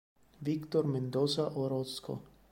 Víctor Mendoza Orozco